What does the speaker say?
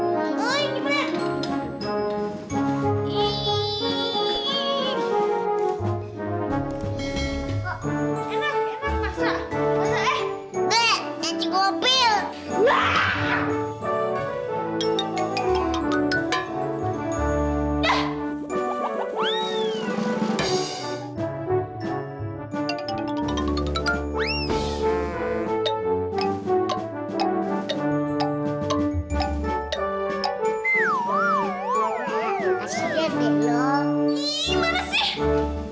lo main ini anak siapa